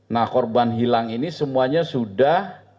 nah korban hilang ini semuanya sudah